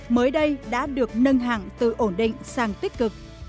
mới đây đã được nâng hạng từ ổn định sang tích cực